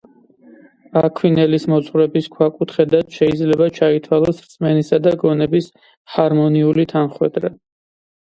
აქვინელის მოძღვრების ქვაკუთხედად შეიძლება ჩაითვალოს რწმენისა და გონების ჰარმონიული თანხვედრა.